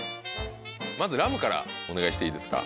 まずラムからお願いしていいですか。